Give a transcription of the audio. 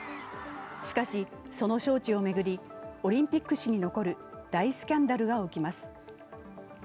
しかし、その招致を巡りオリンピック史に残る大スキャンダルが起きます。